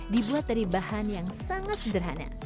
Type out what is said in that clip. dibuat dari bahan yang sangat sederhana